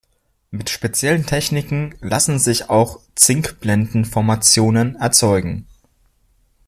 Mit speziellen Techniken lassen sich auch Zinkblenden-Formationen erzeugen.